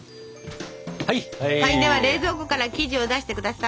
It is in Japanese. では冷蔵庫から生地を出してください。